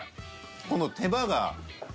この手羽が。